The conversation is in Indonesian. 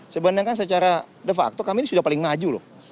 sebenarnya kan secara de facto kami ini sudah paling maju loh